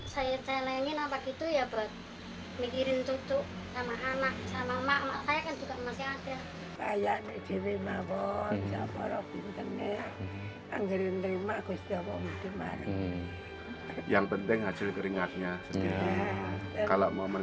saya sebenarnya sudah mertoba telah sudah jalanin apa adanya kerja pajar